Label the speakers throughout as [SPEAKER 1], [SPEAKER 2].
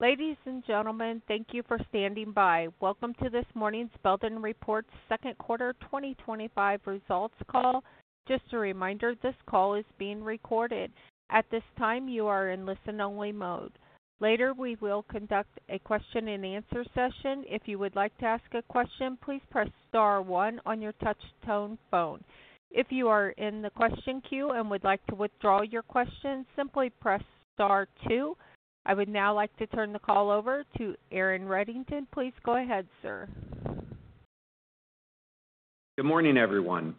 [SPEAKER 1] Ladies and gentlemen, thank you for standing by. Welcome to this morning's Belden Reports Second Quarter 2025 Results Call. Just a reminder, this call is being recorded. At this time, you are in listen-only mode. Later, we will conduct a question-and-answer session. If you would like to ask a question, please press star one on your touch-tone phone. If you are in the question queue and would like to withdraw your question, simply press star two. I would now like to turn the call over to Aaron Reddington. Please go ahead, sir.
[SPEAKER 2] Good morning, everyone,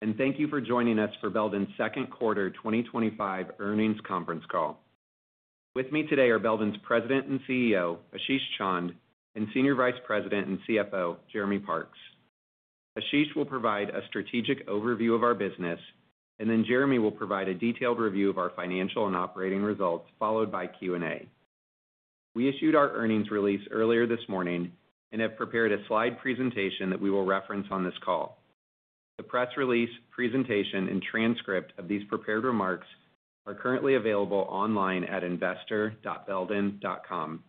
[SPEAKER 2] and thank you for joining us for Belden's Second Quarter 2025 Earnings Conference Call. With me today are Belden's President and CEO, Ashish Chand, and Senior Vice President and CFO, Jeremy Parks. Ashish will provide a strategic overview of our business, and then Jeremy will provide a detailed review of our financial and operating results, followed by Q&A. We issued our earnings release earlier this morning and have prepared a slide presentation that we will reference on this call. The press release, presentation, and transcript of these prepared remarks are currently available online at investor.belden.com.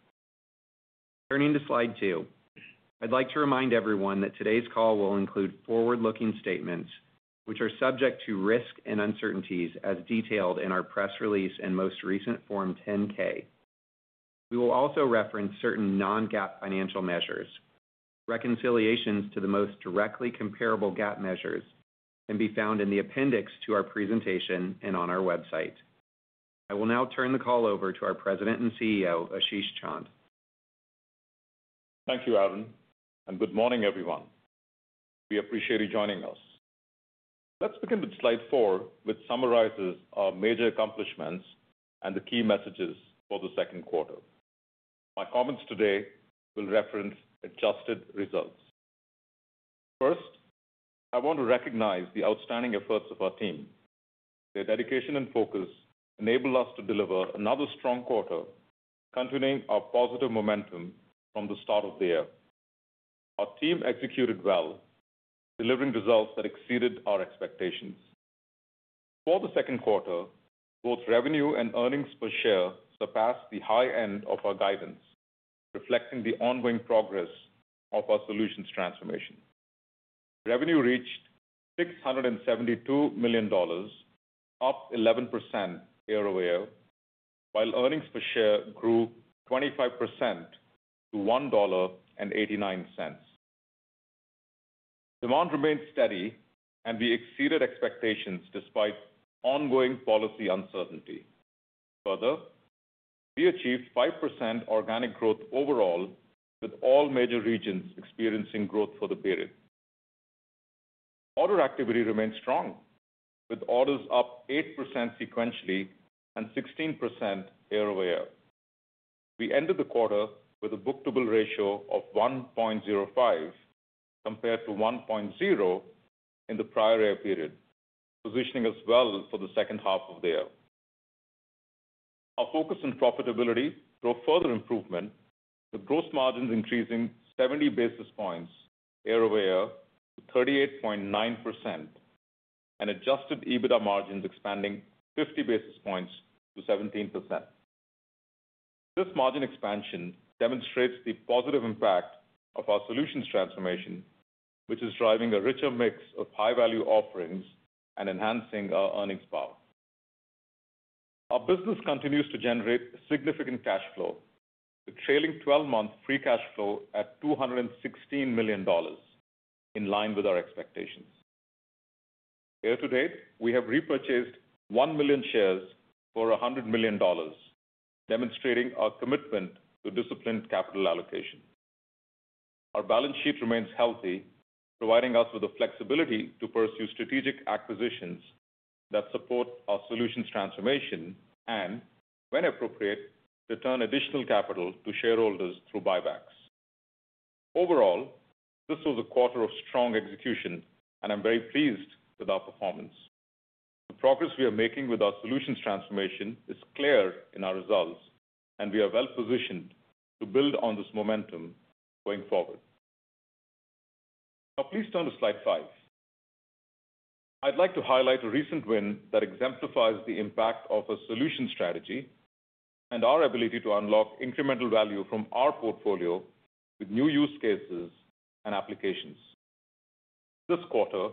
[SPEAKER 2] Turning to slide two, I'd like to remind everyone that today's call will include forward-looking statements, which are subject to risk and uncertainties, as detailed in our press release and most recent Form 10-K. We will also reference certain non-GAAP financial measures. Reconciliations to the most directly comparable GAAP measures can be found in the appendix to our presentation and on our website. I will now turn the call over to our President and CEO, Ashish Chand.
[SPEAKER 3] Thank you, Aaron, and good morning, everyone. We appreciate you joining us. Let's begin with slide four, which summarizes our major accomplishments and the key messages for the second quarter. My comments today will reference adjusted results. First, I want to recognize the outstanding efforts of our team. Their dedication and focus enabled us to deliver another strong quarter, continuing our positive momentum from the start of the year. Our team executed well, delivering results that exceeded our expectations. For the second quarter, both revenue and earnings per share surpassed the high end of our guidance, reflecting the ongoing progress of our solutions transformation. Revenue reached $672 million, up 11% year-over-year, while earnings per share grew 25% to $1.89. Demand remained steady, and we exceeded expectations despite ongoing policy uncertainty. Further, we achieved 5% organic growth overall, with all major regions experiencing growth for the period. Order activity remained strong, with orders up 8% sequentially and 16% year-over-year. We ended the quarter with a book-to-bill ratio of 1.05 compared to 1.0 in the prior year period, positioning us well for the second half of the year. Our focus on profitability drove further improvement, with gross margins increasing 70 basis points year-over-year to 38.9% and adjusted EBITDA margins expanding 50 basis points to 17%. This margin expansion demonstrates the positive impact of our solutions transformation, which is driving a richer mix of high-value offerings and enhancing our earnings power. Our business continues to generate significant cash flow, with trailing 12-month free cash flow at $216 million, in line with our expectations. Year to date, we have repurchased 1 million shares for $100 million, demonstrating our commitment to disciplined capital allocation. Our balance sheet remains healthy, providing us with the flexibility to pursue strategic acquisitions that support our solutions transformation and, when appropriate, return additional capital to shareholders through buybacks. Overall, this was a quarter of strong execution, and I'm very pleased with our performance. The progress we are making with our solutions transformation is clear in our results, and we are well-positioned to build on this momentum going forward. Now, please turn to slide five. I'd like to highlight a recent win that exemplifies the impact of a solution strategy and our ability to unlock incremental value from our portfolio with new use cases and applications. This quarter,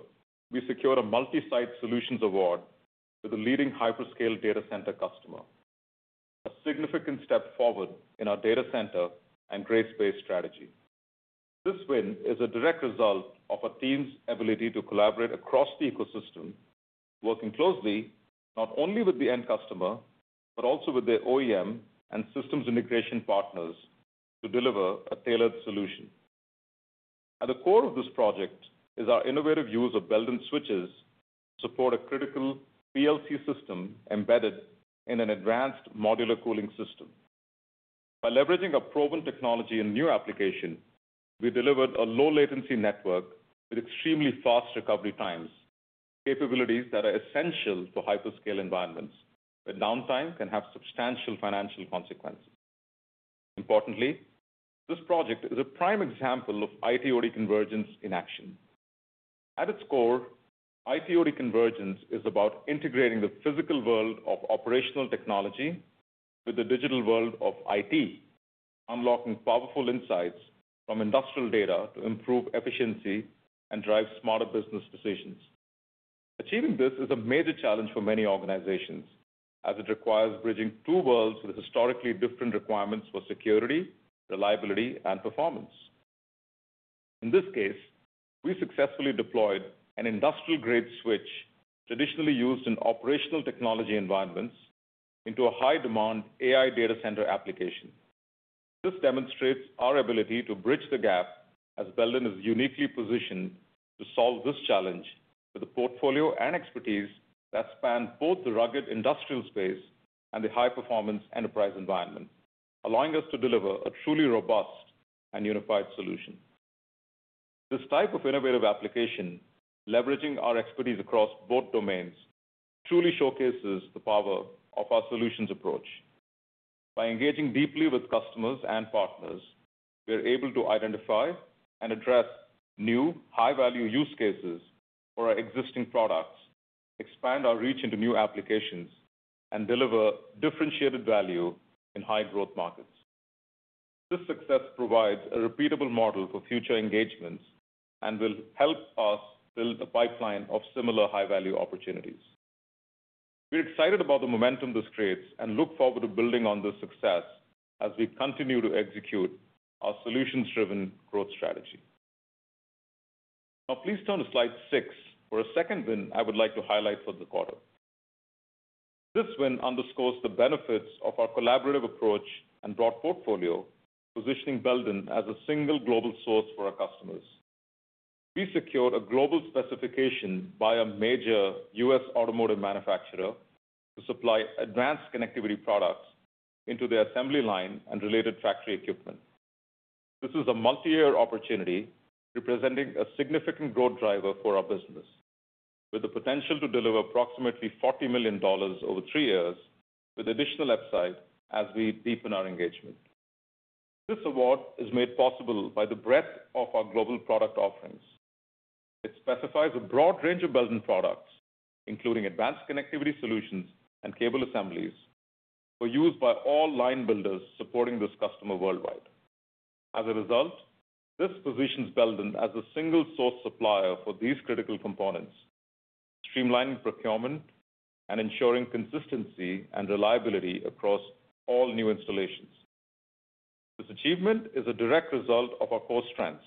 [SPEAKER 3] we secured a Multi-Site Solutions award with a leading hyperscale data center customer, a significant step forward in our data center and gray space strategy. This win is a direct result of our team's ability to collaborate across the ecosystem, working closely not only with the end customer but also with their OEM and systems integration partners to deliver a tailored solution. At the core of this project is our innovative use of Belden switches to support a critical PLC system embedded in an advanced modular cooling system. By leveraging a proven technology in a new application, we delivered a low-latency network with extremely fast recovery times, capabilities that are essential for hyperscale environments where downtime can have substantial financial consequences. Importantly, this project is a prime example of IT/OT convergence in action. At its core, IT/OT convergence is about integrating the physical world of operational technology with the digital world of IT, unlocking powerful insights from industrial data to improve efficiency and drive smarter business decisions. Achieving this is a major challenge for many organizations, as it requires bridging two worlds with historically different requirements for security, reliability, and performance. In this case, we successfully deployed an industrial-grade switch traditionally used in operational technology environments into a high-demand AI data center application. This demonstrates our ability to bridge the gap, as Belden is uniquely positioned to solve this challenge with a portfolio and expertise that span both the rugged industrial space and the high-performance enterprise environment, allowing us to deliver a truly robust and unified solution. This type of innovative application, leveraging our expertise across both domains, truly showcases the power of our solutions approach. By engaging deeply with customers and partners, we are able to identify and address new high-value use cases for our existing products, expand our reach into new applications, and deliver differentiated value in high-growth markets. This success provides a repeatable model for future engagements and will help us build a pipeline of similar high-value opportunities. We are excited about the momentum this creates and look forward to building on this success as we continue to execute our solutions-driven growth strategy. Now, please turn to slide six for a second win I would like to highlight for the quarter. This win underscores the benefits of our collaborative approach and broad portfolio, positioning Belden as a single global source for our customers. We secured a global specification by a major U.S. automotive manufacturer to supply advanced connectivity products into the assembly line and related factory equipment. This is a multi-year opportunity, representing a significant growth driver for our business, with the potential to deliver approximately $40 million over three years, with additional upside as we deepen our engagement. This award is made possible by the breadth of our global product offerings. It specifies a broad range of Belden products, including advanced connectivity solutions and cable assemblies, for use by all line builders supporting this customer worldwide. As a result, this positions Belden as a single source supplier for these critical components, streamlining procurement and ensuring consistency and reliability across all new installations. This achievement is a direct result of our core strengths: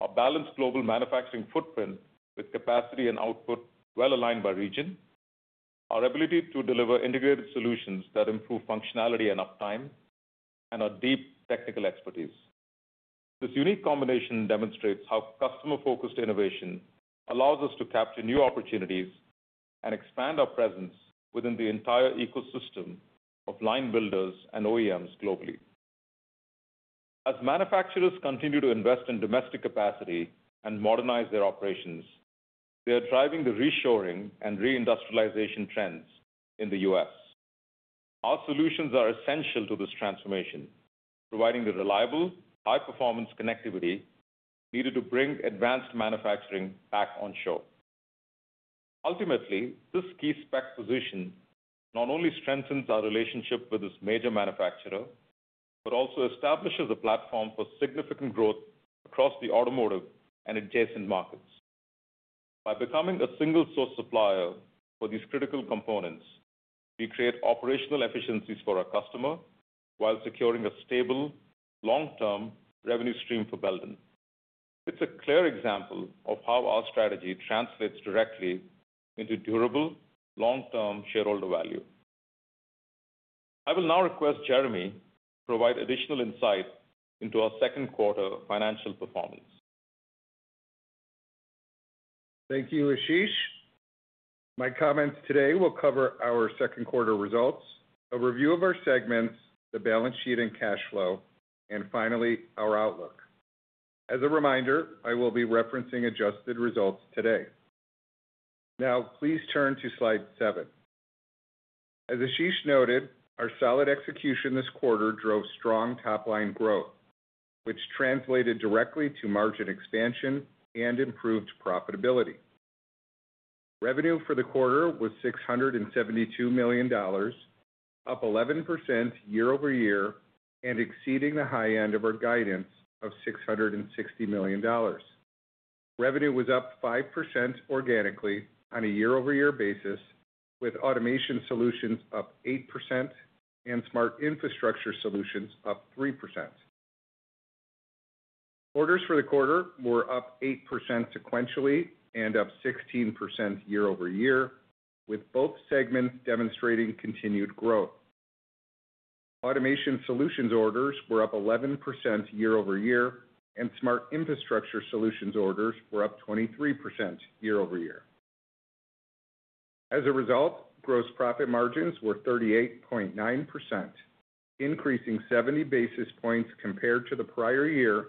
[SPEAKER 3] our balanced global manufacturing footprint, with capacity and output well aligned by region, our ability to deliver integrated solutions that improve functionality and uptime, and our deep technical expertise. This unique combination demonstrates how customer-focused innovation allows us to capture new opportunities and expand our presence within the entire ecosystem of line builders and OEMs globally. As manufacturers continue to invest in domestic capacity and modernize their operations, they are driving the reshoring and reindustrialization trends in the U.S. Our solutions are essential to this transformation, providing the reliable, high-performance connectivity needed to bring advanced manufacturing back onshore. Ultimately, this key spec position not only strengthens our relationship with this major manufacturer but also establishes a platform for significant growth across the automotive and adjacent markets. By becoming a single source supplier for these critical components, we create operational efficiencies for our customer while securing a stable, long-term revenue stream for Belden. It's a clear example of how our strategy translates directly into durable, long-term shareholder value. I will now request Jeremy to provide additional insight into our second quarter financial performance.
[SPEAKER 4] Thank you, Ashish. My comments today will cover our second quarter results, a review of our segments, the balance sheet and cash flow, and finally, our outlook. As a reminder, I will be referencing adjusted results today. Now, please turn to slide seven. As Ashish noted, our solid execution this quarter drove strong top-line growth, which translated directly to margin expansion and improved profitability. Revenue for the quarter was $672 million, up 11% year-over-year and exceeding the high end of our guidance of $660 million. Revenue was up 5% organically on a year-over-year basis, with Automation Solutions up 8% and Smart Infrastructure Solutions up 3%. Orders for the quarter were up 8% sequentially and up 16% year-over-year, with both segments demonstrating continued growth. Automation Solutions orders were up 11% year-over-year, and Smart Infrastructure Solutions orders were up 23% year-over-year. As a result, gross profit margins were 38.9%, increasing 70 basis points compared to the prior year,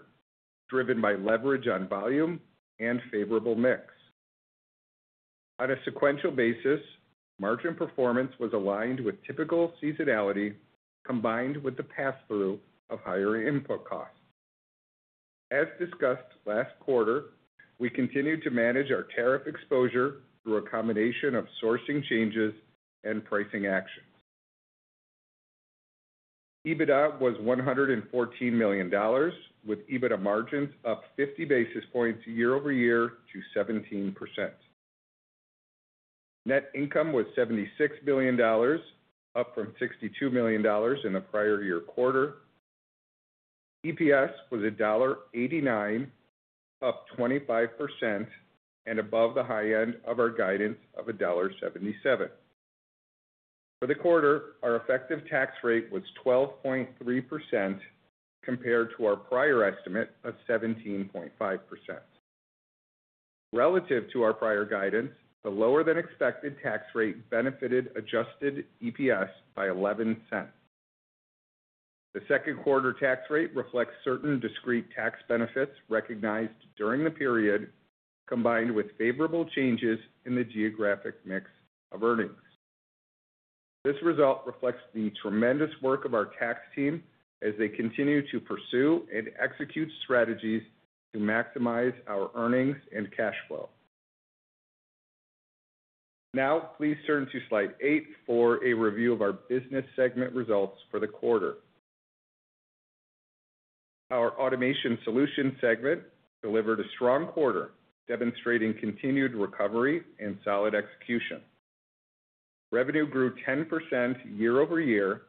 [SPEAKER 4] driven by leverage on volume and favorable mix. On a sequential basis, margin performance was aligned with typical seasonality, combined with the pass-through of higher input costs. As discussed last quarter, we continued to manage our tariff exposure through a combination of sourcing changes and pricing actions. EBITDA was $114 million, with EBITDA margins up 50 basis points year-over-year to 17%. Net income was $76 million, up from $62 million in the prior year quarter. EPS was $1.89, up 25% and above the high end of our guidance of $1.77. For the quarter, our effective tax rate was 12.3% compared to our prior estimate of 17.5%. Relative to our prior guidance, the lower-than-expected tax rate benefited adjusted EPS by $0.11. The second quarter tax rate reflects certain discrete tax benefits recognized during the period, combined with favorable changes in the geographic mix of earnings. This result reflects the tremendous work of our tax team as they continue to pursue and execute strategies to maximize our earnings and cash flow. Now, please turn to slide eight for a review of our business segment results for the quarter. Our Automation Solutions segment delivered a strong quarter, demonstrating continued recovery and solid execution. Revenue grew 10% year-over-year,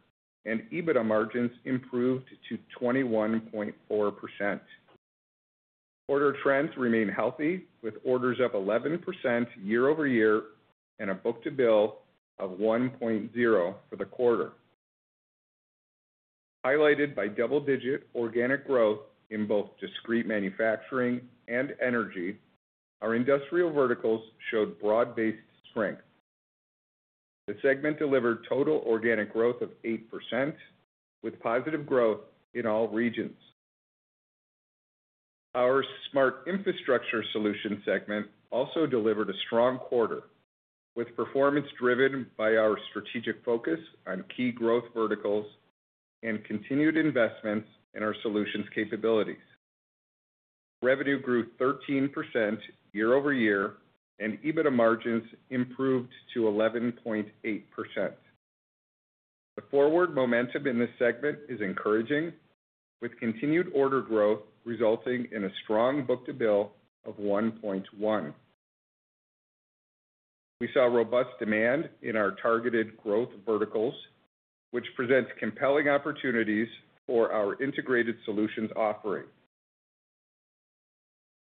[SPEAKER 4] and EBITDA margins improved to 21.4%. Order trends remain healthy, with orders up 11% year-over-year and a book-to-bill of 1.0 for the quarter. Highlighted by double-digit organic growth in both discrete manufacturing and energy, our industrial verticals showed broad-based strength. The segment delivered total organic growth of 8%, with positive growth in all regions. Our Smart Infrastructure Solutions segment also delivered a strong quarter, with performance driven by our strategic focus on key growth verticals and continued investments in our solutions capabilities. Revenue grew 13% year-over-year, and EBITDA margins improved to 11.8%. The forward momentum in this segment is encouraging, with continued order growth resulting in a strong book-to-bill of 1.1. We saw robust demand in our targeted growth verticals, which presents compelling opportunities for our integrated solutions offering.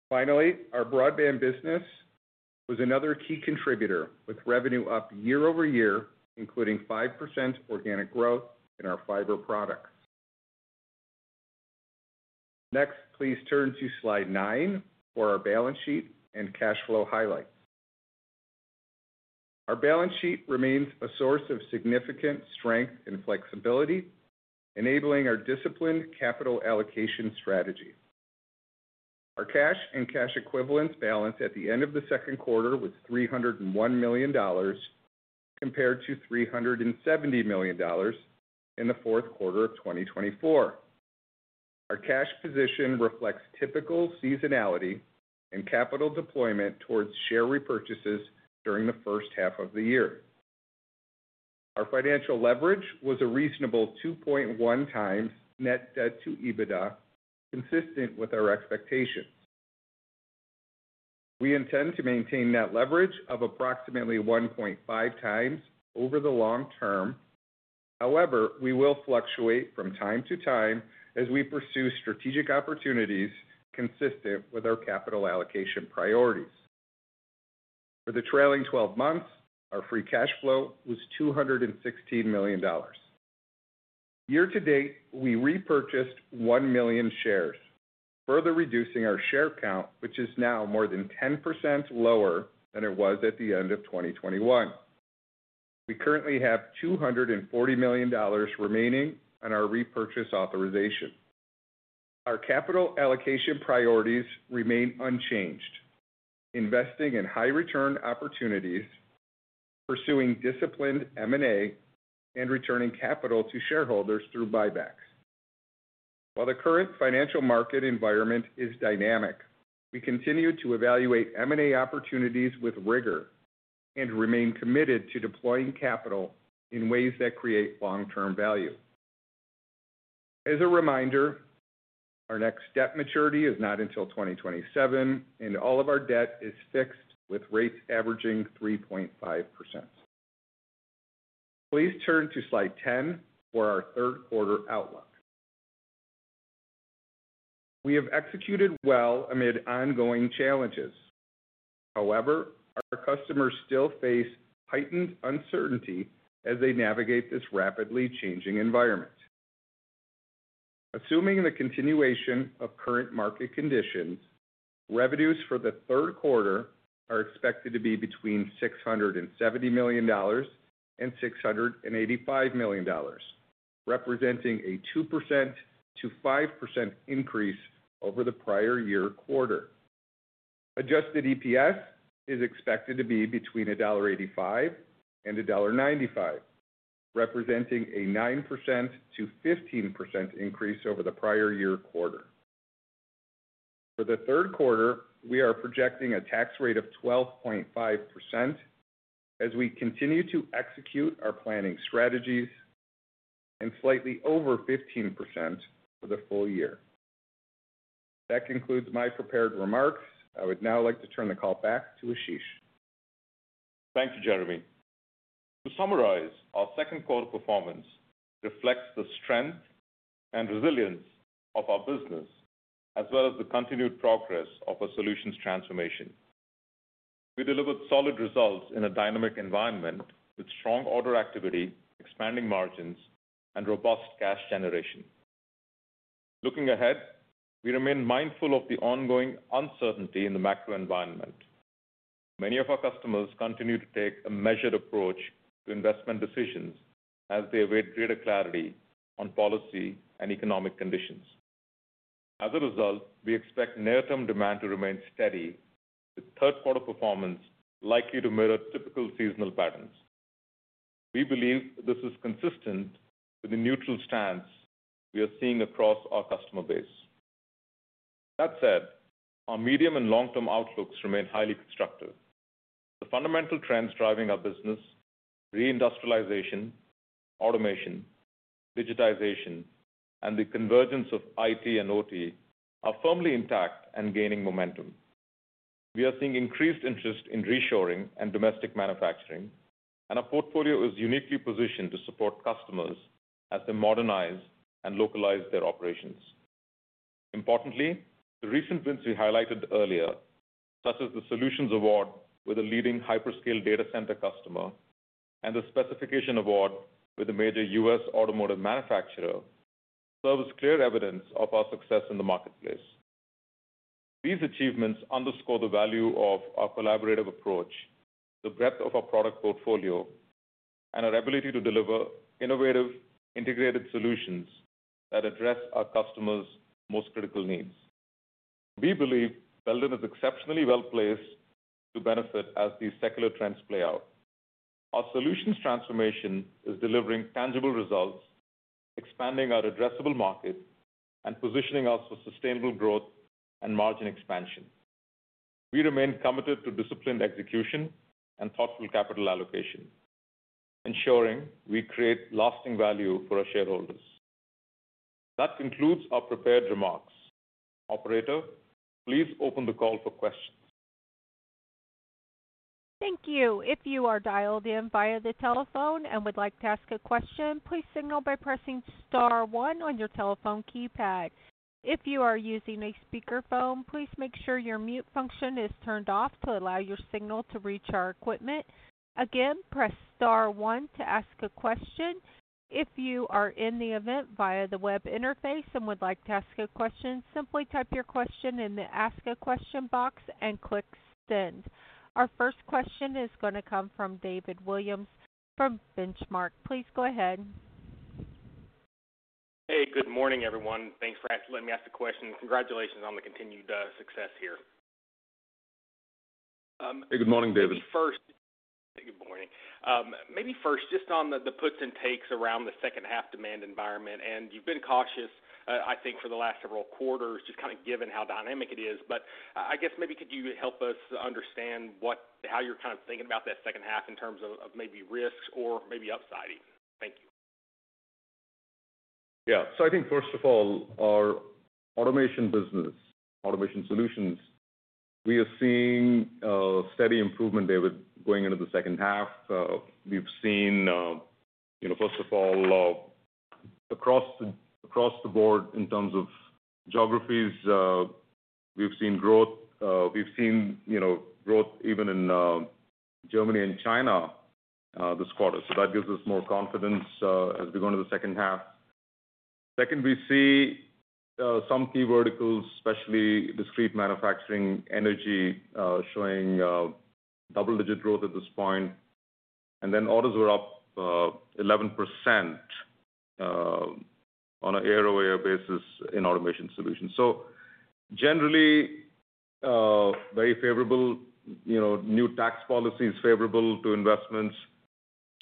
[SPEAKER 4] Finally, our broadband business was another key contributor, with revenue up year-over-year, including 5% organic growth in our fiber products. Next, please turn to slide nine for our balance sheet and cash flow highlights. Our balance sheet remains a source of significant strength and flexibility, enabling our disciplined capital allocation strategy. Our cash and cash equivalents balance at the end of the second quarter was $301 million compared to $370 million in the fourth quarter of 2024. Our cash position reflects typical seasonality and capital deployment towards share repurchases during the first half of the year. Our financial leverage was a reasonable 2.1x net debt to EBITDA, consistent with our expectations. We intend to maintain that leverage of approximately 1.5x over the long term. However, we will fluctuate from time to time as we pursue strategic opportunities consistent with our capital allocation priorities. For the trailing 12 months, our free cash flow was $216 million. Year to date, we repurchased 1 million shares, further reducing our share count, which is now more than 10% lower than it was at the end of 2021. We currently have $240 million remaining on our repurchase authorization. Our capital allocation priorities remain unchanged, investing in high-return opportunities, pursuing disciplined M&A, and returning capital to shareholders through buybacks. While the current financial market environment is dynamic, we continue to evaluate M&A opportunities with rigor and remain committed to deploying capital in ways that create long-term value. As a reminder, our next debt maturity is not until 2027, and all of our debt is fixed with rates averaging 3.5%. Please turn to slide 10 for our third quarter outlook. We have executed well amid ongoing challenges. However, our customers still face heightened uncertainty as they navigate this rapidly changing environment. Assuming the continuation of current market conditions, revenues for the third quarter are expected to be between $670 million-$685 million, representing a 2% to 5% increase over the prior year quarter. Adjusted EPS is expected to be between $1.85-$1.95, representing a 9%-15% increase over the prior year quarter. For the third quarter, we are projecting a tax rate of 12.5% as we continue to execute our planning strategies and slightly over 15% for the full year. That concludes my prepared remarks. I would now like to turn the call back to Ashish.
[SPEAKER 3] Thank you, Jeremy. To summarize, our second quarter performance reflects the strength and resilience of our business, as well as the continued progress of our solutions transformation. We delivered solid results in a dynamic environment with strong order activity, expanding margins, and robust cash generation. Looking ahead, we remain mindful of the ongoing uncertainty in the macro environment. Many of our customers continue to take a measured approach to investment decisions as they await greater clarity on policy and economic conditions. As a result, we expect near-term demand to remain steady, with third-quarter performance likely to mirror typical seasonal patterns. We believe this is consistent with the neutral stance we are seeing across our customer base. That said, our medium and long-term outlooks remain highly constructive. The fundamental trends driving our business, reindustrialization, automation, digitization, and the convergence of IT/OT, are firmly intact and gaining momentum. We are seeing increased interest in reshoring and domestic manufacturing, and our portfolio is uniquely positioned to support customers as they modernize and localize their operations. Importantly, the recent wins we highlighted earlier, such as the Solutions Award with a leading hyperscale data center customer and the Specification Award with a major U.S. automotive manufacturer, serve as clear evidence of our success in the marketplace. These achievements underscore the value of our collaborative approach, the breadth of our product portfolio, and our ability to deliver innovative, integrated solutions that address our customers' most critical needs. We believe Belden is exceptionally well placed to benefit as these secular trends play out. Our solutions transformation is delivering tangible results, expanding our addressable market, and positioning us for sustainable growth and margin expansion. We remain committed to disciplined execution and thoughtful capital allocation, ensuring we create lasting value for our shareholders. That concludes our prepared remarks. Operator, please open the call for questions.
[SPEAKER 1] Thank you. If you are dialed in via the telephone and would like to ask a question, please signal by pressing star one on your telephone keypad. If you are using a speakerphone, please make sure your mute function is turned off to allow your signal to reach our equipment. Again, press star one to ask a question. If you are in the event via the web interface and would like to ask a question, simply type your question in the ask a question box and click send. Our first question is going to come from David Williams from Benchmark. Please go ahead.
[SPEAKER 5] Hey, good morning, everyone. Thanks for letting me ask the question. Congratulations on the continued success here.
[SPEAKER 3] Hey, good morning, David.
[SPEAKER 5] First, good morning. Maybe first, just on the puts and takes around the second half demand environment. You've been cautious, I think, for the last several quarters, just given how dynamic it is. I guess maybe could you help us understand how you're kind of thinking about that second half in terms of maybe risks or maybe upside even. Thank you.
[SPEAKER 3] Yeah. I think first of all, our automation business, Automation Solutions, we are seeing a steady improvement there with going into the second half. We've seen, across the board in terms of geographies, we've seen growth. We've seen growth even in Germany and China this quarter. That gives us more confidence as we go into the second half. Second, we see some key verticals, especially discrete manufacturing and energy, showing double-digit growth at this point. Orders were up 11% on a year-over-year basis in Automation Solutions. Generally, very favorable new tax policies are favorable to investments.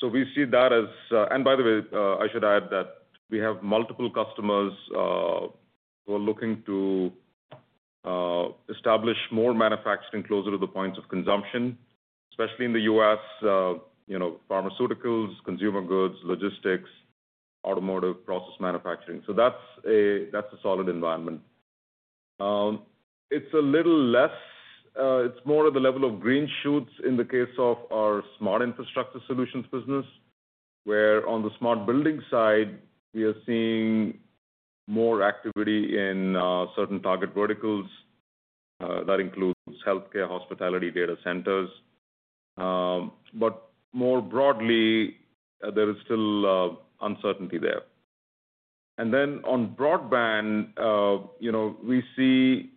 [SPEAKER 3] We see that as, and by the way, I should add that we have multiple customers who are looking to establish more manufacturing closer to the points of consumption, especially in the U.S., pharmaceuticals, consumer goods, logistics, automotive, process manufacturing. That's a solid environment. It's a little less, it's more at the level of green shoots in the case of our Smart Infrastructure Solutions business, where on the Smart Building side, we are seeing more activity in certain target verticals. That includes healthcare, hospitality, data centers. More broadly, there is still uncertainty there. On broadband, we see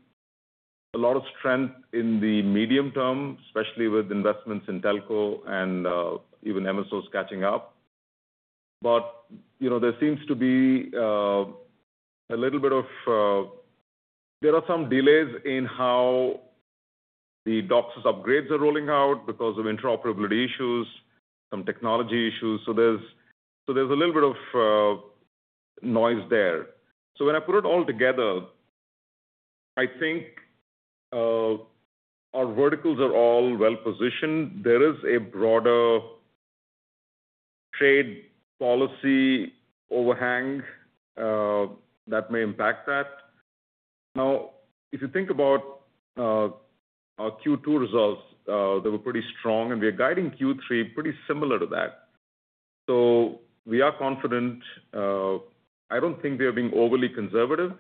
[SPEAKER 3] a lot of strength in the medium term, especially with investments in telco and even MSOs catching up. There seems to be a little bit of, there are some delays in how the DOCSIS upgrades are rolling out because of interoperability issues and some technology issues. There's a little bit of noise there. When I put it all together, I think our verticals are all well positioned. There is a broader trade policy overhang that may impact that. Now, if you think about our Q2 results, they were pretty strong, and we are guiding Q3 pretty similar to that. We are confident. I don't think they are being overly conservative,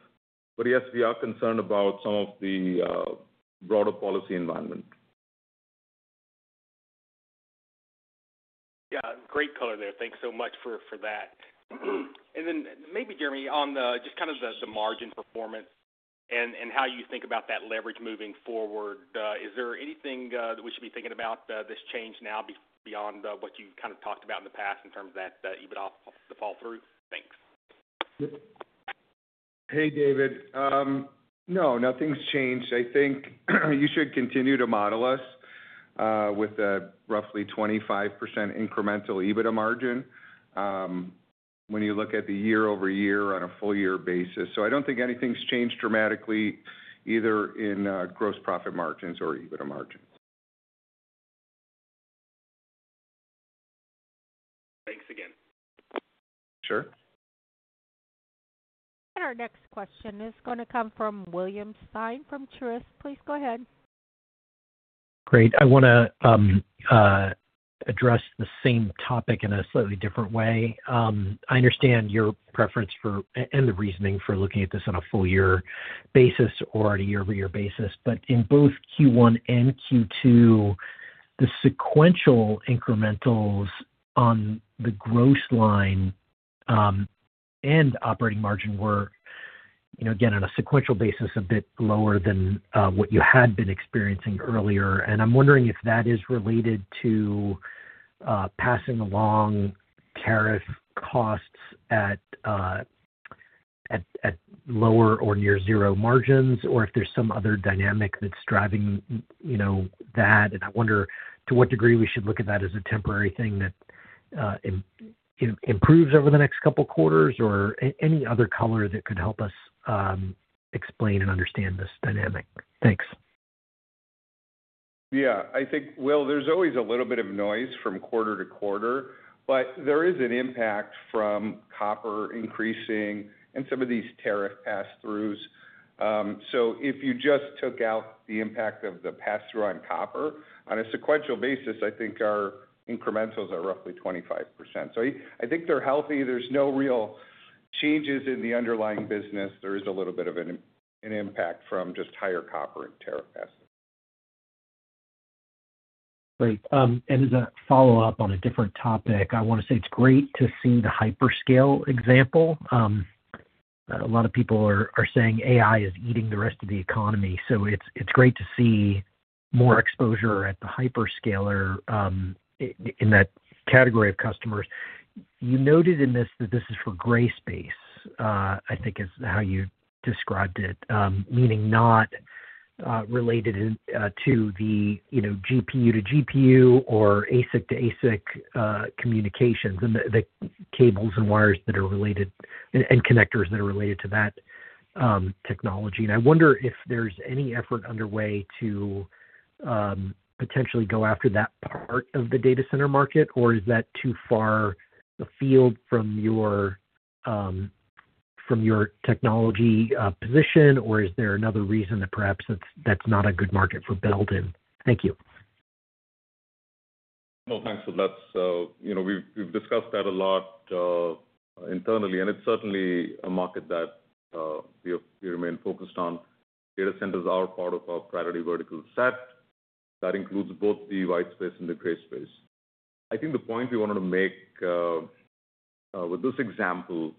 [SPEAKER 3] but yes, we are concerned about some of the broader policy environment.
[SPEAKER 5] Great color there. Thanks so much for that. Maybe, Jeremy, on just kind of the margin performance and how you think about that leverage moving forward, is there anything that we should be thinking about this change now beyond what you kind of talked about in the past in terms of that EBITDA fall through? Thanks.
[SPEAKER 4] Hey, David. No, nothing's changed. I think you should continue to model us with a roughly 25% incremental EBITDA margin when you look at the year-over-year on a full-year basis. I don't think anything's changed dramatically either in gross profit margins or EBITDA margins.
[SPEAKER 5] Thanks again.
[SPEAKER 4] Sure.
[SPEAKER 1] Our next question is going to come from William Stein from Truist. Please go ahead.
[SPEAKER 6] Great. I want to address the same topic in a slightly different way. I understand your preference for and the reasoning for looking at this on a full-year basis or on a year-over-year basis. In both Q1 and Q2, the sequential incrementals on the gross line and operating margin were, you know, again, on a sequential basis, a bit lower than what you had been experiencing earlier. I'm wondering if that is related to passing along tariff costs at lower or near-zero margins or if there's some other dynamic that's driving, you know, that. I wonder to what degree we should look at that as a temporary thing that improves over the next couple of quarters or any other color that could help us explain and understand this dynamic. Thanks.
[SPEAKER 4] I think there's always a little bit of noise from quarter to quarter, but there is an impact from copper increasing and some of these tariff pass-throughs. If you just took out the impact of the pass-through on copper, on a sequential basis, I think our incrementals are roughly 25%. I think they're healthy. There's no real changes in the underlying business. There is a little bit of an impact from just higher copper and tariff pass-throughs.
[SPEAKER 6] Great. As a follow-up on a different topic, I want to say it's great to see the hyperscale example. A lot of people are saying AI is eating the rest of the economy. It's great to see more exposure at the hyperscaler in that category of customers. You noted in this that this is for gray space, I think is how you described it, meaning not related to the GPU-to-GPU or ASIC-to-ASIC communications and the cables and wires that are related and connectors that are related to that technology. I wonder if there's any effort underway to potentially go after that part of the data center market, or is that too far afield from your technology position, or is there another reason that perhaps that's not a good market for Belden? Thank you.
[SPEAKER 3] No, thanks. That's, you know, we've discussed that a lot internally, and it's certainly a market that we remain focused on. Data centers are part of our priority vertical set. That includes both the white space and the gray space. I think the point we wanted to make with this example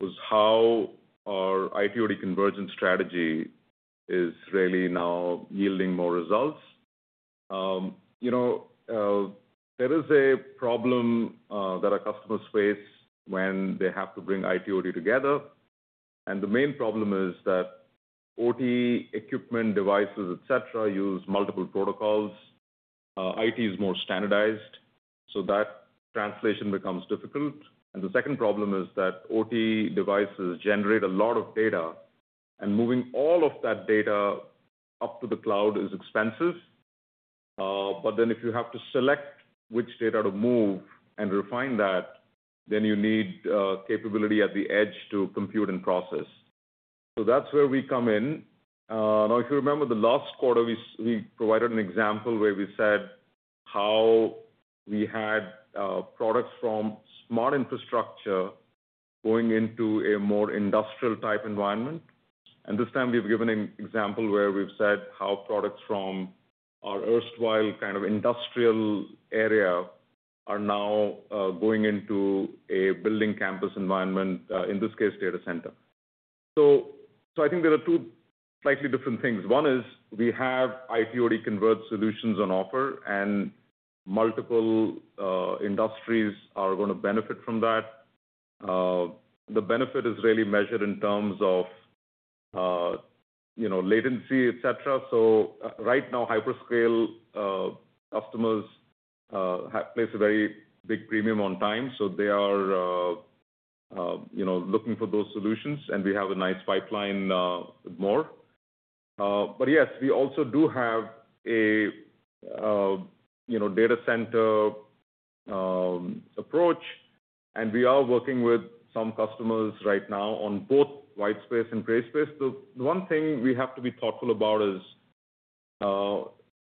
[SPEAKER 3] was how our IT/OT convergence strategy is really now yielding more results. There is a problem that our customers face when they have to bring IT/OT together. The main problem is that OT equipment, devices, etc., use multiple protocols. IT is more standardized, so that translation becomes difficult. The second problem is that OT devices generate a lot of data, and moving all of that data up to the cloud is expensive. If you have to select which data to move and refine that, then you need capability at the edge to compute and process. That's where we come in. If you remember the last quarter, we provided an example where we said how we had products from Smart Infrastructure Solutions going into a more industrial-type environment. This time, we've given an example where we've said how products from our erstwhile kind of industrial area are now going into a building campus environment, in this case, data center. I think there are two slightly different things. One is we have IT/OT converged solutions on offer, and multiple industries are going to benefit from that. The benefit is really measured in terms of latency, etc. Right now, hyperscale customers place a very big premium on time. They are looking for those solutions, and we have a nice pipeline with more. Yes, we also do have a data center approach, and we are working with some customers right now on both white space and gray space. The one thing we have to be thoughtful about is,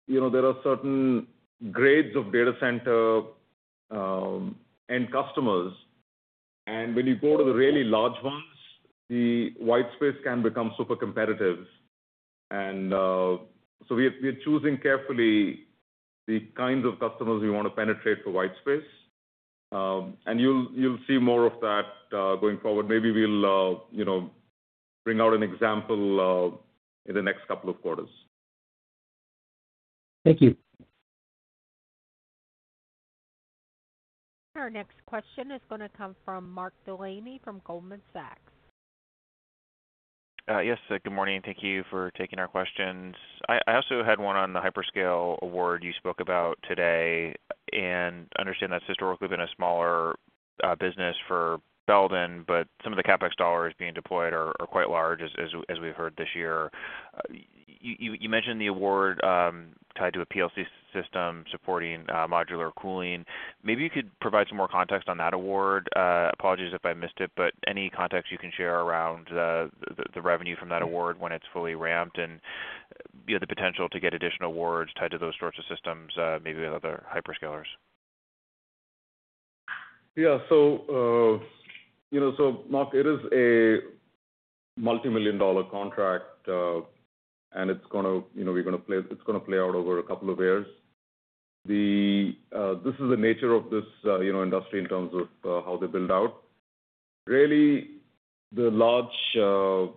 [SPEAKER 3] you know, there are certain grades of data center and customers. When you go to the really large ones, the white space can become super competitive. We are choosing carefully the kinds of customers we want to penetrate for white space, and you'll see more of that going forward. Maybe we'll bring out an example in the next couple of quarters.
[SPEAKER 6] Thank you.
[SPEAKER 1] Our next question is going to come from Mark Delaney from Goldman Sachs.
[SPEAKER 7] Yes. Good morning. Thank you for taking our questions. I also had one on the hyperscale award you spoke about today. I understand that's historically been a smaller business for Belden, but some of the CapEx dollars being deployed are quite large, as we've heard this year. You mentioned the award tied to a PLC system supporting modular cooling. Maybe you could provide some more context on that award. Apologies if I missed it, but any context you can share around the revenue from that award when it's fully ramped and, you know, the potential to get additional awards tied to those sorts of systems maybe with other hyperscalers.
[SPEAKER 3] Yeah. Mark, it is a multimillion-dollar contract, and it's going to play out over a couple of years. This is the nature of this industry in terms of how they build out. Really, the large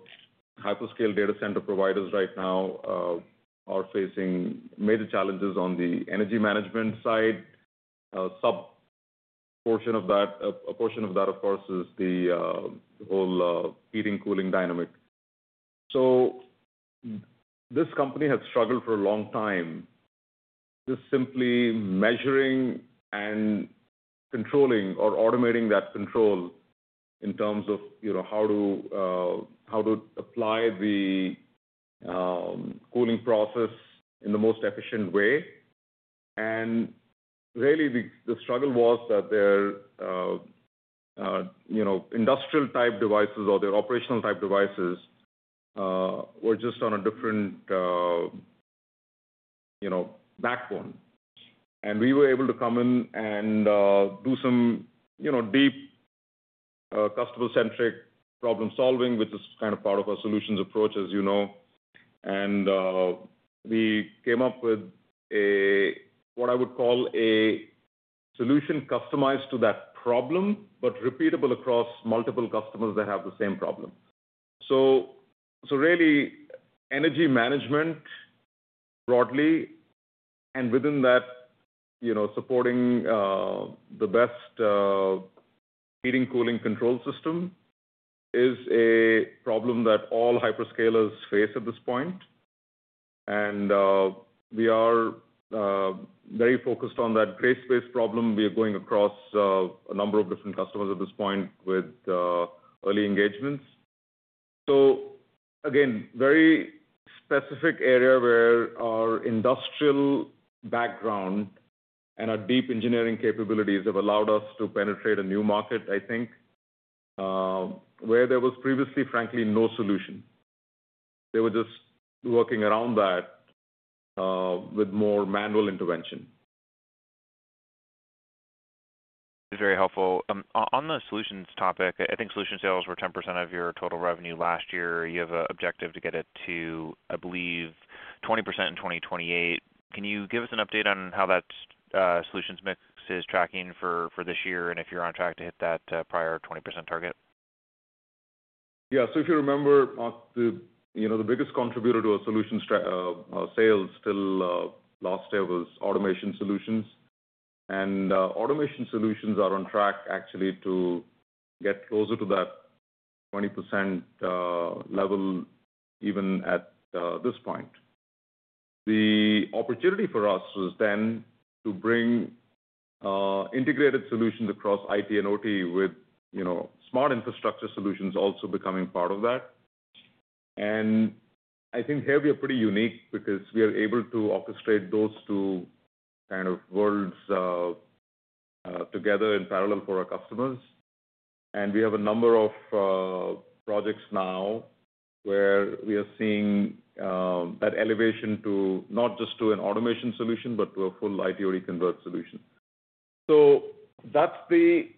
[SPEAKER 3] hyperscale data center providers right now are facing major challenges on the energy management side. A portion of that, of course, is the whole heating cooling dynamic. This company has struggled for a long time just simply measuring and controlling or automating that control in terms of how to apply the cooling process in the most efficient way. The struggle was that their industrial-type devices or their operational-type devices were just on a different backbone. We were able to come in and do some deep customer-centric problem-solving, which is kind of part of our solutions approach, as you know. We came up with what I would call a solution customized to that problem but repeatable across multiple customers that have the same problem. Energy management broadly and within that, supporting the best heating cooling control system is a problem that all hyperscalers face at this point. We are very focused on that gray space problem. We are going across a number of different customers at this point with early engagements. Again, very specific area where our industrial background and our deep engineering capabilities have allowed us to penetrate a new market, I think, where there was previously, frankly, no solution. They were just working around that with more manual intervention.
[SPEAKER 7] That's very helpful. On the solutions topic, I think solutions sales were 10% of your total revenue last year. You have an objective to get it to, I believe, 20% in 2028. Can you give us an update on how that solutions mix is tracking for this year and if you're on track to hit that prior 20% target?
[SPEAKER 3] Yeah. If you remember, Mark, the biggest contributor to our solutions sales till last year was Automation Solutions. Automation Solutions are on track, actually, to get closer to that 20% level even at this point. The opportunity for us was then to bring integrated solutions across IT and OT with, you know, Smart Infrastructure Solutions also becoming part of that. I think here we are pretty unique because we are able to orchestrate those two kinds of worlds together in parallel for our customers. We have a number of projects now where we are seeing that elevation to not just an automation solution but to a full IT/OT converged solution. That's the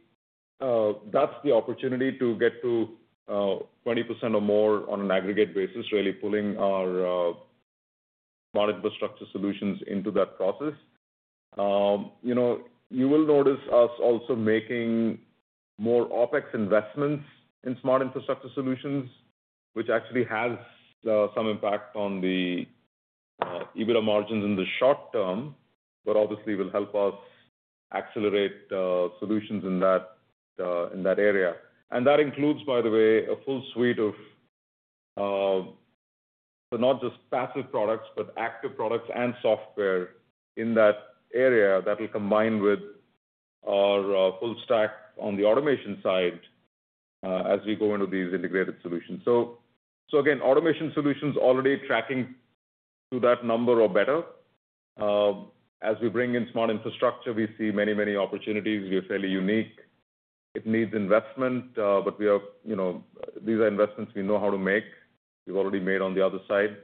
[SPEAKER 3] opportunity to get to 20% or more on an aggregate basis, really pulling our Smart Infrastructure Solutions into that process. You will notice us also making more OpEx investments in Smart Infrastructure Solutions, which actually has some impact on the EBITDA margins in the short term, but obviously will help us accelerate solutions in that area. That includes, by the way, a full suite of not just passive products but active products and software in that area that will combine with our full stack on the automation side as we go into these integrated solutions. Again, Automation Solutions already tracking to that number or better. As we bring in Smart Infrastructure, we see many, many opportunities. We are fairly unique. It needs investment, but these are investments we know how to make. We've already made on the other side.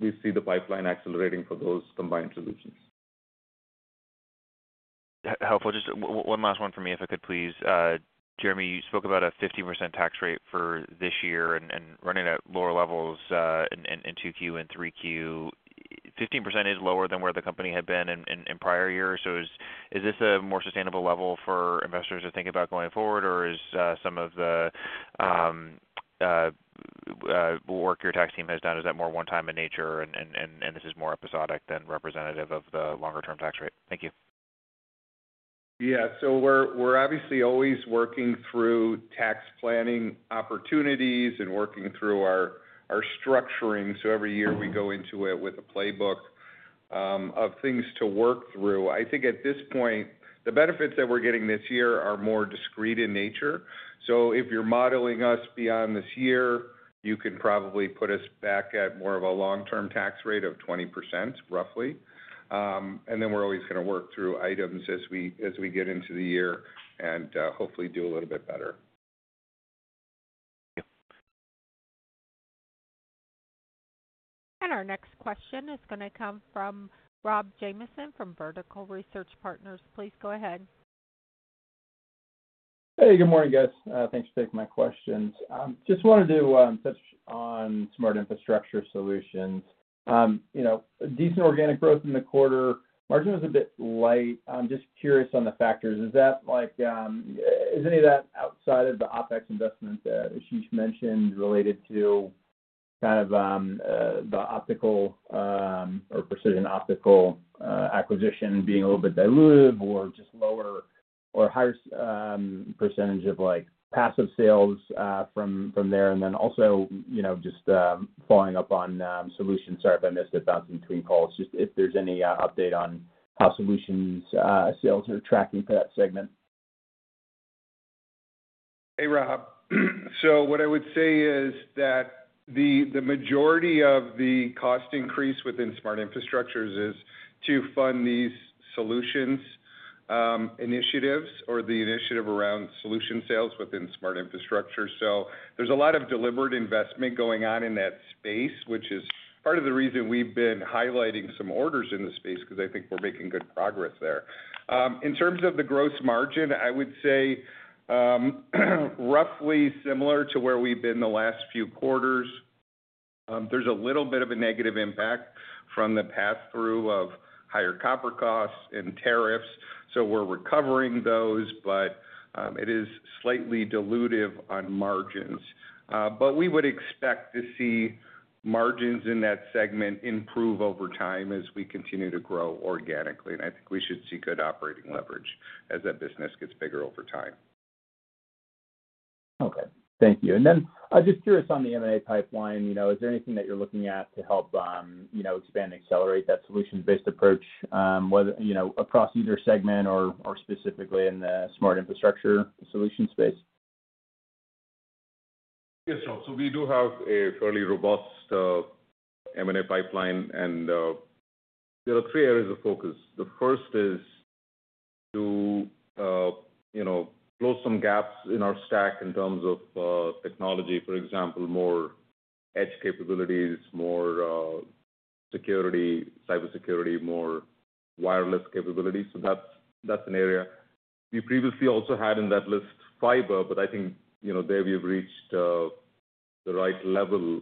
[SPEAKER 3] We see the pipeline accelerating for those combined solutions.
[SPEAKER 7] Helpful. Just one last one for me, if I could please. Jeremy, you spoke about a 15% tax rate for this year and running at lower levels in 2Q and 3Q. 15% is lower than where the company had been in prior years. Is this a more sustainable level for investors to think about going forward, or is some of the work your tax team has done more one-time in nature and this is more episodic than representative of the longer-term tax rate? Thank you.
[SPEAKER 4] We're obviously always working through tax planning opportunities and working through our structuring. Every year we go into it with a playbook of things to work through. I think at this point, the benefits that we're getting this year are more discrete in nature. If you're modeling us beyond this year, you can probably put us back at more of a long-term tax rate of 20%, roughly. We're always going to work through items as we get into the year and hopefully do a little bit better.
[SPEAKER 7] Thank you.
[SPEAKER 1] Our next question is going to come from Rob Jamieson from Vertical Research Partners. Please go ahead.
[SPEAKER 8] Hey, good morning, guys. Thanks for taking my questions. Just wanted to touch on Smart Infrastructure Solutions. You know, decent organic growth in the quarter. Margin was a bit light. I'm just curious on the factors. Is that, like, is any of that outside of the OpEx investment that Ashish mentioned related to kind of the optical or Precision Optical acquisition being a little bit diluted or just lower or higher percentage of, like, passive sales from there? Also, just following up on solutions. Sorry if I missed it. That's in between calls. Just if there's any update on how solutions sales are tracking for that segment.
[SPEAKER 4] Hey, Rob. What I would say is that the majority of the cost increase within Smart Infrastructure is to fund these solutions initiatives or the initiative around solution sales within Smart Infrastructure. There is a lot of deliberate investment going on in that space, which is part of the reason we've been highlighting some orders in the space because I think we're making good progress there. In terms of the gross margin, I would say roughly similar to where we've been the last few quarters. There is a little bit of a negative impact from the pass-through of higher copper costs and tariffs. We're recovering those, but it is slightly dilutive on margins. We would expect to see margins in that segment improve over time as we continue to grow organically. I think we should see good operating leverage as that business gets bigger over time.
[SPEAKER 8] Thank you. I'm just curious on the M&A pipeline. Is there anything that you're looking at to help expand and accelerate that solution-based approach, whether across either segment or specifically in the Smart Infrastructure Solutions space?
[SPEAKER 3] Yes, sir. We do have a fairly robust M&A pipeline, and there are three areas of focus. The first is to, you know, close some gaps in our stack in terms of technology. For example, more edge capabilities, more security, cybersecurity, more wireless capabilities. That's an area. We previously also had in that list fiber, but I think, you know, there we have reached the right level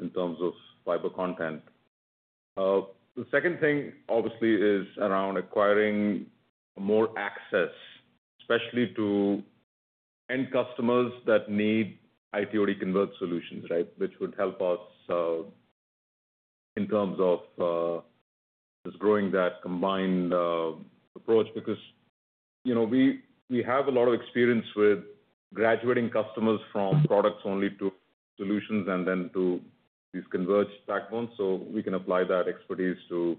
[SPEAKER 3] in terms of fiber content. The second thing, obviously, is around acquiring more access, especially to end customers that need IT/OT converged solutions, right, which would help us in terms of just growing that combined approach because, you know, we have a lot of experience with graduating customers from products only to solutions and then to these converged backbones. We can apply that expertise to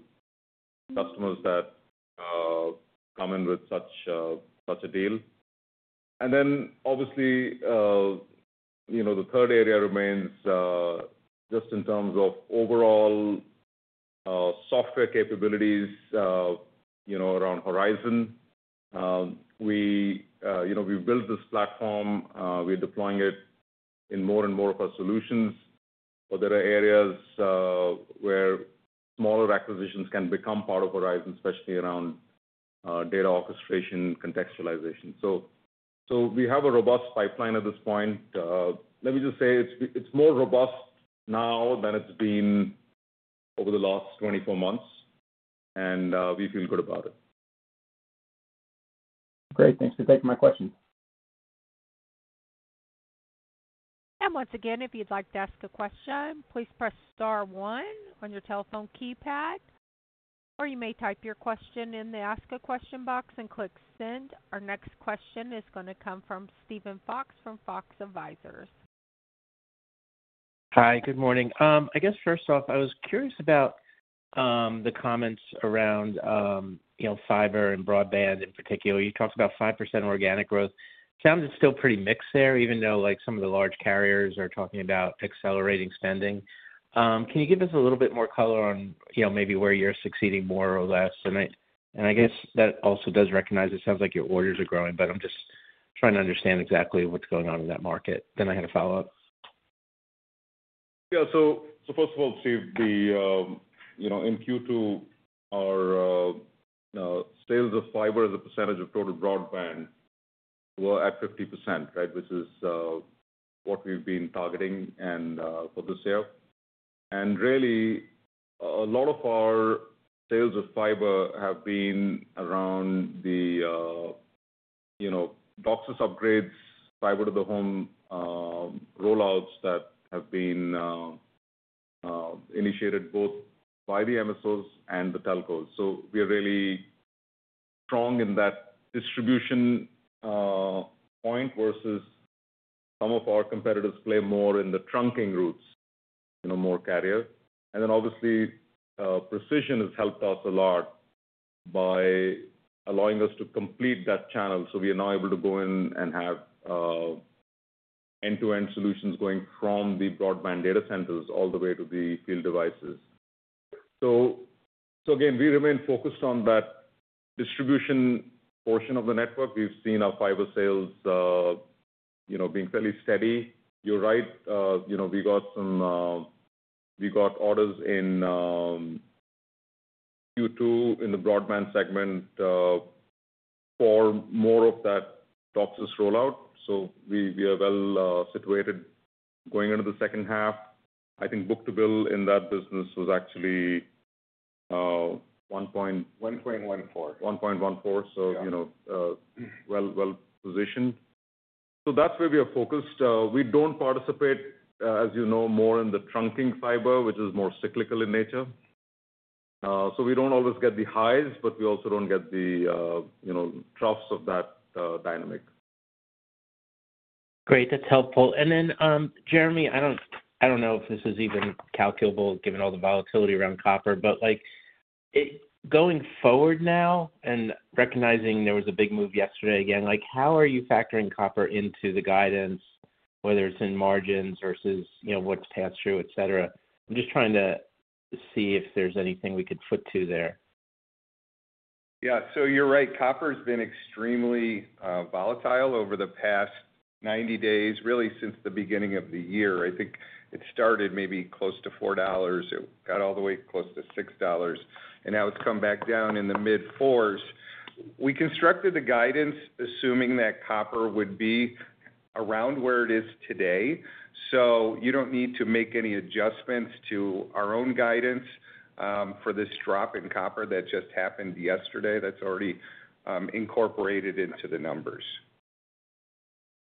[SPEAKER 3] customers that come in with such a deal. Obviously, the third area remains just in terms of overall software capabilities, you know, around Horizon. We've built this platform. We're deploying it in more and more of our solutions. There are areas where smaller acquisitions can become part of Horizon, especially around data orchestration and contextualization. We have a robust pipeline at this point. Let me just say it's more robust now than it's been over the last 24 months, and we feel good about it.
[SPEAKER 7] Great. Thanks for taking my questions.
[SPEAKER 1] If you'd like to ask a question, please press star one on your telephone keypad, or you may type your question in the ask a question box and click send. Our next question is going to come from Steven Fox from Fox Advisors.
[SPEAKER 9] Hi. Good morning. First off, I was curious about the comments around fiber and broadband in particular. You talked about 5% organic growth. It sounds it's still pretty mixed there, even though some of the large carriers are talking about accelerating spending. Can you give us a little bit more color on maybe where you're succeeding more or less? I guess that also does recognize it sounds like your orders are growing, but I'm just trying to understand exactly what's going on in that market. I had a follow-up.
[SPEAKER 3] Yeah. First of all, Steve, in Q2, our sales of fiber as a percentage of total broadband were at 50%, which is what we've been targeting for this year. Really, a lot of our sales of fiber have been around the DOCSIS upgrades, fiber-to-the-home rollouts that have been initiated both by the MSOs and the telcos. We are really strong in that distribution point versus some of our competitors who play more in the trunking routes, more carrier. Obviously, Precision has helped us a lot by allowing us to complete that channel. We are now able to go in and have end-to-end solutions going from the broadband data centers all the way to the field devices. Again, we remain focused on that distribution portion of the network. We've seen our fiber sales being fairly steady. You're right. We got some orders in Q2 in the broadband segment for more of that DOCSIS rollout. We are well situated going into the second half. I think book-to-bill in that business was actually 1.14, so well positioned. That's where we are focused. We don't participate, as you know, more in the trunking fiber, which is more cyclical in nature. We don't always get the highs, but we also don't get the troughs of that dynamic.
[SPEAKER 9] Great. That's helpful. Jeremy, I don't know if this is even calculable given all the volatility around copper, but going forward now and recognizing there was a big move yesterday again, how are you factoring copper into the guidance, whether it's in margins versus what's passed through, etc.? I'm just trying to see if there's anything we could foot to there.
[SPEAKER 4] You're right. Copper has been extremely volatile over the past 90 days, really since the beginning of the year. I think it started maybe close to $4. It got all the way close to $6, and now it's come back down in the mid $4s. We constructed the guidance assuming that copper would be around where it is today. You don't need to make any adjustments to our own guidance for this drop in copper that just happened yesterday. That's already incorporated into the numbers.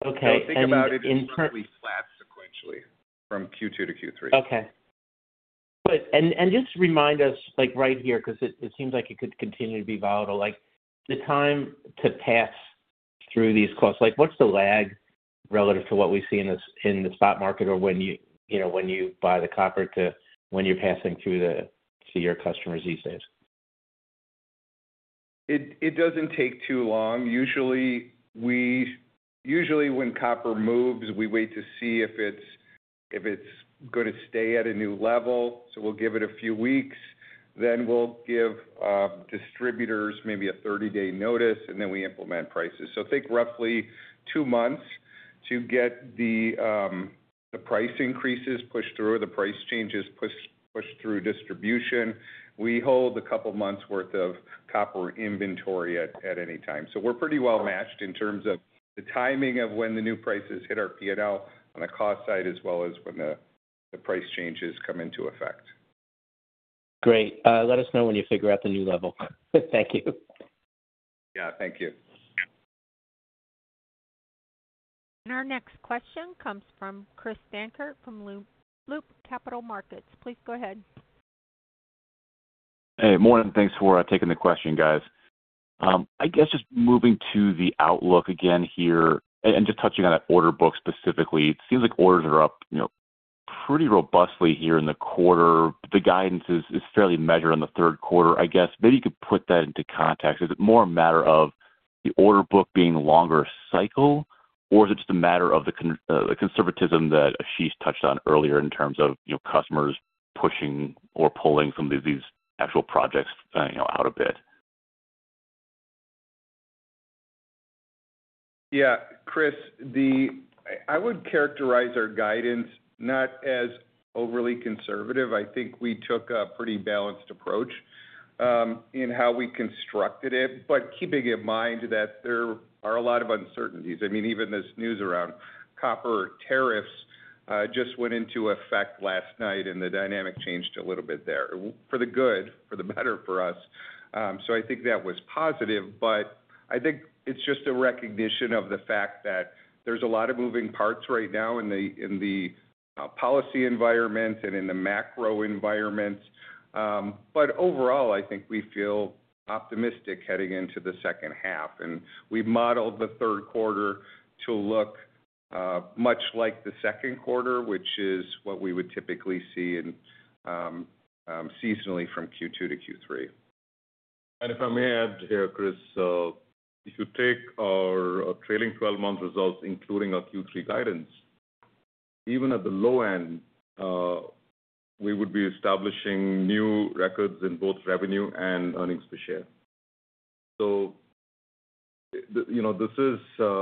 [SPEAKER 9] Okay.
[SPEAKER 4] Think about it. It's fairly flat sequentially from Q2 to Q3.
[SPEAKER 9] Okay. Good. Just remind us right here because it seems like it could continue to be volatile. The time to pass through these costs, what's the lag relative to what we see in the spot market or when you buy the copper to when you're passing through to your customers these days?
[SPEAKER 4] It doesn't take too long. Usually, when copper moves, we wait to see if it's going to stay at a new level. We give it a few weeks, give distributors maybe a 30-day notice, and then we implement prices. It takes roughly two months to get the price increases pushed through or the price changes pushed through distribution. We hold a couple of months' worth of copper inventory at any time. We're pretty well matched in terms of the timing of when the new prices hit our P&L on the cost side, as well as when the price changes come into effect.
[SPEAKER 9] Great. Let us know when you figure out the new level. Thank you.
[SPEAKER 4] Yeah, thank you.
[SPEAKER 1] Our next question comes from Chris Dankert from Loop Capital Markets. Please go ahead.
[SPEAKER 10] Hey, morning. Thanks for taking the question, guys. I guess just moving to the outlook again here and just touching on that order book specifically, it seems like orders are up pretty robustly here in the quarter. The guidance is fairly measured on the third quarter, I guess. Maybe you could put that into context. Is it more a matter of the order book being longer cycle, or is it just a matter of the conservatism that Ashish touched on earlier in terms of customers pushing or pulling some of these actual projects out a bit?
[SPEAKER 4] Yeah, Chris, I would characterize our guidance not as overly conservative. I think we took a pretty balanced approach in how we constructed it, but keeping in mind that there are a lot of uncertainties. I mean, even this news around copper tariffs just went into effect last night, and the dynamic changed a little bit there for the better for us. I think that was positive, but I think it's just a recognition of the fact that there's a lot of moving parts right now in the policy environment and in the macro environments. Overall, I think we feel optimistic heading into the second half, and we modeled the third quarter to look much like the second quarter, which is what we would typically see seasonally from Q2 to Q3.
[SPEAKER 3] If I may add here, Chris, if you take our trailing 12-month results, including our Q3 guidance, even at the low end, we would be establishing new records in both revenue and earnings per share.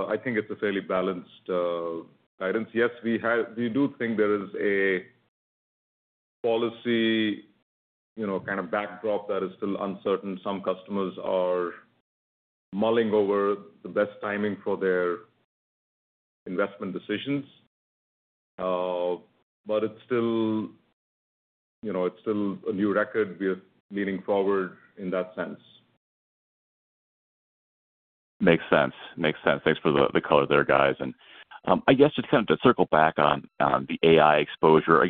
[SPEAKER 3] I think it's a fairly balanced guidance. We do think there is a policy backdrop that is still uncertain. Some customers are mulling over the best timing for their investment decisions. It's still a new record. We are leaning forward in that sense.
[SPEAKER 10] Makes sense. Thanks for the color there, guys. I guess just to circle back on the AI exposure,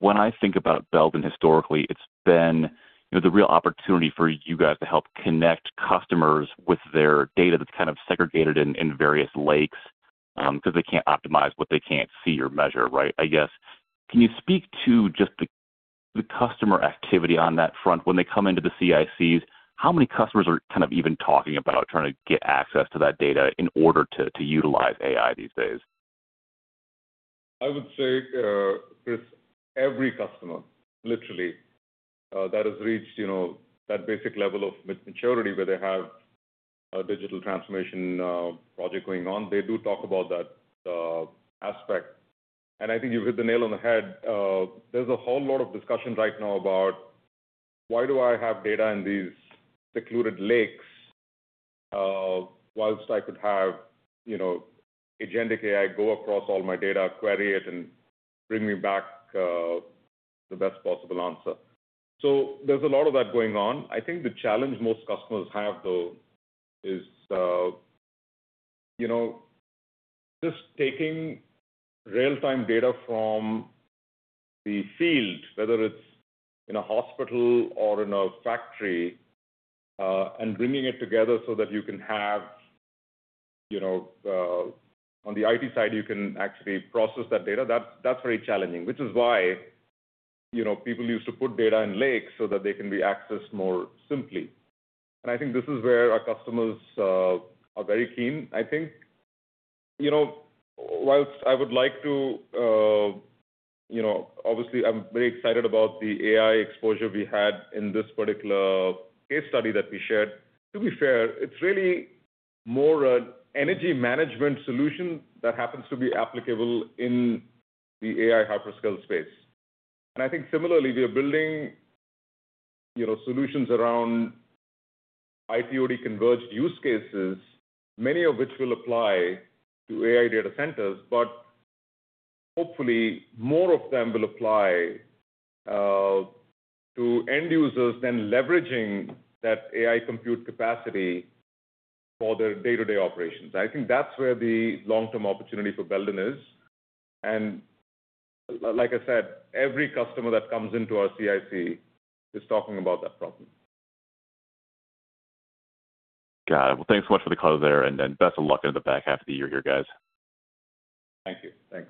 [SPEAKER 10] when I think about Belden historically, it's been the real opportunity for you guys to help connect customers with their data that's kind of segregated in various lakes because they can't optimize what they can't see or measure, right? Can you speak to just the customer activity on that front? When they come into the CICs, how many customers are even talking about trying to get access to that data in order to utilize AI these days?
[SPEAKER 3] I would say, Chris, every customer, literally, that has reached that basic level of maturity where they have a digital transformation project going on, they do talk about that aspect. I think you've hit the nail on the head. There's a whole lot of discussion right now about why do I have data in these secluded lakes whilst I could have, you know, agentic AI go across all my data, query it, and bring me back the best possible answer. There's a lot of that going on. I think the challenge most customers have, though, is just taking real-time data from the field, whether it's in a hospital or in a factory, and bringing it together so that you can have, on the IT side, you can actually process that data. That's very challenging, which is why people used to put data in lakes so that they can be accessed more simply. I think this is where our customers are very keen. Whilst I would like to, obviously, I'm very excited about the AI exposure we had in this particular case study that we shared. To be fair, it's really more an energy management solution that happens to be applicable in the AI hyperscale space. I think similarly, we are building solutions around IT/OT converged use cases, many of which will apply to AI data centers, but hopefully, more of them will apply to end users than leveraging that AI compute capacity for their day-to-day operations. I think that's where the long-term opportunity for Belden is. Like I said, every customer that comes into our CIC is talking about that problem.
[SPEAKER 10] Got it. Thanks so much for the close there, and best of luck in the back half of the year here, guys.
[SPEAKER 3] Thank you. Thanks.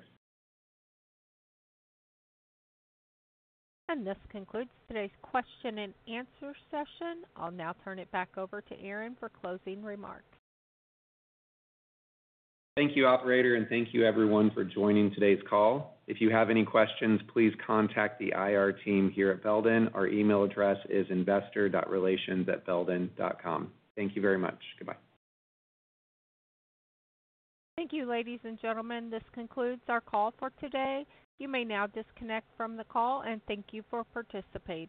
[SPEAKER 1] This concludes today's question and answer session. I'll now turn it back over to Aaron Reddington for closing remarks.
[SPEAKER 2] Thank you, operator, and thank you, everyone, for joining today's call. If you have any questions, please contact the IR Team here at Belden. Our email address is investor.relations@belden.com. Thank you very much. Goodbye.
[SPEAKER 1] Thank you, ladies and gentlemen. This concludes our call for today. You may now disconnect from the call, and thank you for participating.